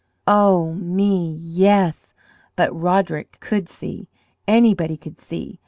Oh, me, yes! but Roderick could see! Anybody could see!